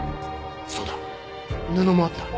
そうだ布もあった。